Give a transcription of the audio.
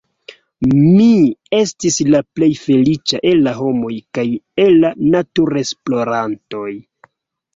Mi estis la plej feliĉa el la homoj kaj el la naturesplorantoj!